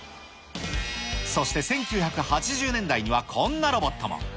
そして１９８０年代にはこんなロボットも。